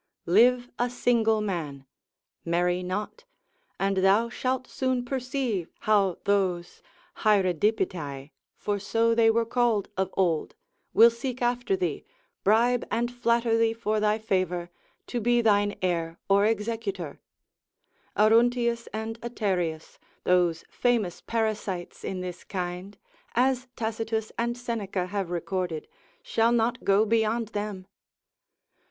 Live a single man, marry not, and thou shalt soon perceive how those Haeredipetae (for so they were called of old) will seek after thee, bribe and flatter thee for thy favour, to be thine heir or executor: Aruntius and Aterius, those famous parasites in this kind, as Tacitus and Seneca have recorded, shall not go beyond them.